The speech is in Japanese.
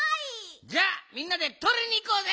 じゃあみんなでとりにいこうぜ！